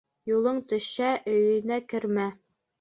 Юлың төшһә, өйөнә кермә.